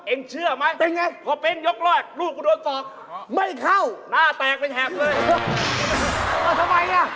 เองเชื่อไหมเป็นอย่างไร